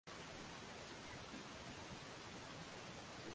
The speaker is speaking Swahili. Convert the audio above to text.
Nguo lake lina madoadoa